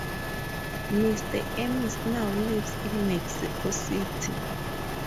Mr. Amis now lives in Mexico City.